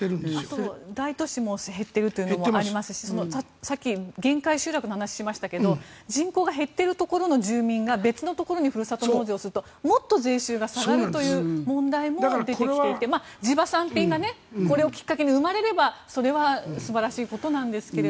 あと、大都市も減っているというのもありますしさっき限界集落の話をしましたが人口が減っているところの住民がほかのところにふるさと納税をするともっと税収が下がるという問題も出てきていて地場産品がこれをきっかけに生まれればそれは素晴らしいことなんですが。